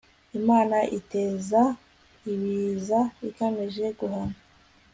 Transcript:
imana iteza ibiza igamije guhana